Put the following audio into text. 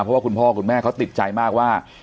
เพราะว่าคุณพ่อคุณแม่เขาติดใจมากว่า